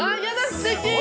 すてき！